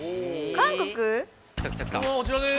韓国⁉こちらです！